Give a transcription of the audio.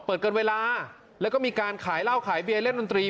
เกินเวลาแล้วก็มีการขายเหล้าขายเบียร์เล่นดนตรี